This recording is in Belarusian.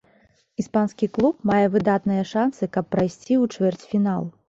Іспанскі клуб мае выдатныя шанцы, каб прайсці ў чвэрцьфінал.